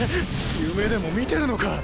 夢でも見てるのか？